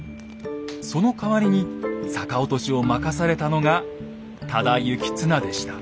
そのかわりに逆落としを任されたのが多田行綱でした。